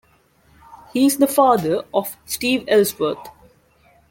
He is the father of Steve Ellsworth.